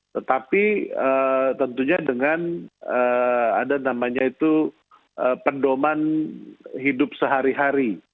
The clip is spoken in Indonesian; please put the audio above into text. tetapi tentunya dengan ada namanya itu pendoman hidup sehari hari